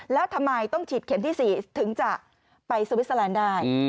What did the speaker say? แล้วทำไมต้องฉีดเข็มที่๔ถึงจะไปสวิสเตอร์แลนด์ได้